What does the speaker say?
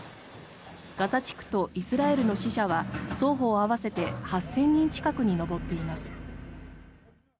ガザ地区とイスラエルの死者は双方合わせて８０００人近くに上っています。